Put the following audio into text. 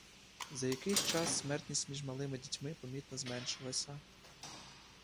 За якийсь час смертність між малими дітьми помітно зменшилася.